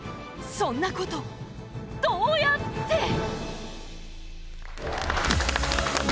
そんなこと、どうやって！？